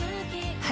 はい。